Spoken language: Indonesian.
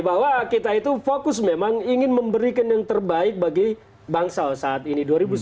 bahwa kita itu fokus memang ingin memberikan yang terbaik bagi bangsa saat ini